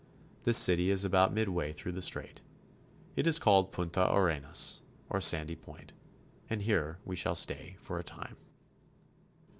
This city is about midway through the strait. It is called Punta Arenas, or Sandy Point, and here we shall stay for a time.